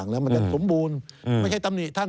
แล้วมันจะสมบูรณ์ไม่ใช่ตำหนิท่าน